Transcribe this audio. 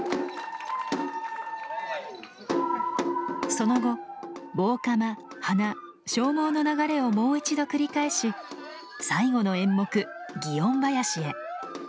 その後「棒鎌」「花」「鐘舞」の流れをもう一度繰り返し最後の演目「園囃子」へ。